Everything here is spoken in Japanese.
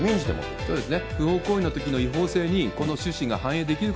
そうですね。